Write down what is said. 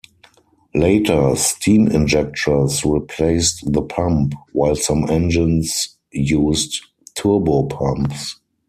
Later, steam injectors replaced the pump while some engines used turbopumps.